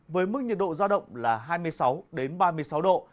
với mức nhiệt độ giao động là hai mươi sáu ba mươi sáu độ